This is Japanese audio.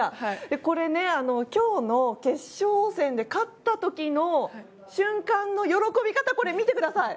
これ、今日の決勝戦で勝った時の瞬間の喜び方これ、見てください。